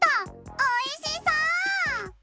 おいしそう！